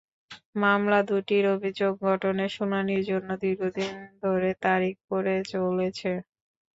মামলা দুটির অভিযোগ গঠনের শুনানির জন্য দীর্ঘদিন ধরে তারিখ পড়ে চলেছে।